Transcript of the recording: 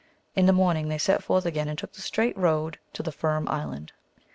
In the morning they set forth again and took the straight road to the Firm Island.